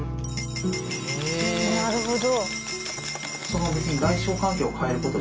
なるほど。